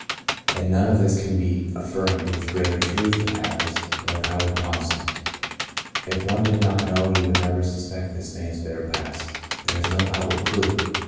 And of none can this be affirmed with greater truth and aptness than of Howard Thompson. If one did not know he would never suspect this man's bitter past. There is no outward clue.